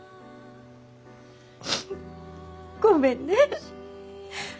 ごめんね。